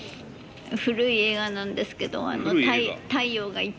古い映画なんですけど「太陽がいっぱい」。